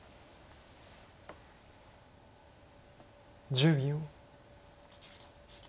１０秒。